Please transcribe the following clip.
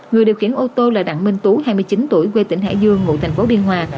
người điều khiển ô tô là đặng minh tú hai mươi chín tuổi quê tỉnh hải dương ngụ thành phố biên hòa